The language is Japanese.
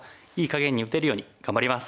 ”かげんに打てるように頑張ります。